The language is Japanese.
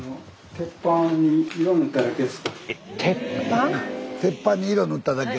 鉄板⁉鉄板に色塗っただけ。